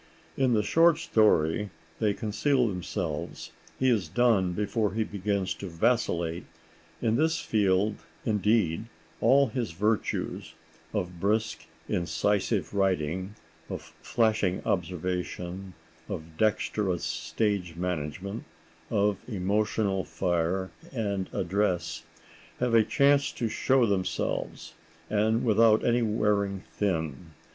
In the short story they conceal themselves; he is done before he begins to vacillate. In this field, indeed, all his virtues—of brisk, incisive writing, of flashing observation, of dexterous stage management, of emotional fire and address—have a chance to show themselves, and without any wearing thin.